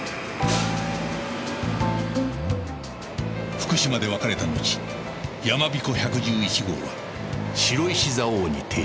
福島で分かれたのちやまびこ１１１号は白石蔵王に停車